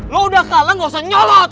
lo udah kalah gak usah nyelak